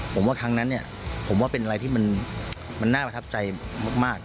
ผมว่าครั้งนั้นเนี่ยผมว่าเป็นอะไรที่มันน่าประทับใจมาก